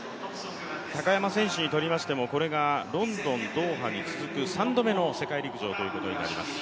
高山選手にとりましても、これがロンドン、ドーハに続く３度目の世界陸上ということになります。